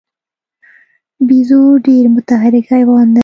بیزو ډېر متحرک حیوان دی.